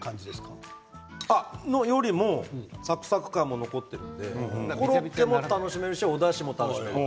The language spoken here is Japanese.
それよりもサクサク感も残っているのでコロッケも楽しめるし、おだしも楽しめる。